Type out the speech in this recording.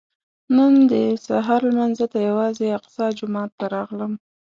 نن د سهار لمانځه ته یوازې الاقصی جومات ته راغلم.